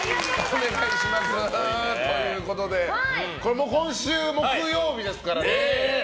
これも今週木曜日ですからね。